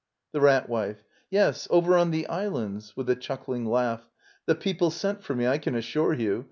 The Rat Wife. Yes, over on ^thc islands. [With a chuckling laugh.] The people sent for me, I can assure you.